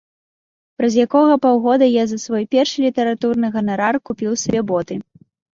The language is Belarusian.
Праз якога паўгода я за свой першы літаратурны ганарар купіў сабе боты.